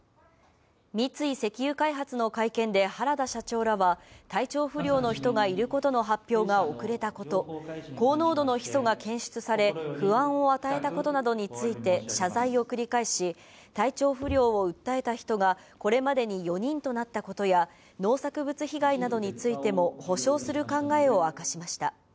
三井石油開発の会見で、原田社長らは、体調不良の人がいることの発表が遅れたこと、高濃度のヒ素が検出され、不安を与えたことなどについて謝罪を繰り返し、体調不良を訴えた人が、これまでに４人となったことや、農作物被害などについても、補償する考えを明かしました。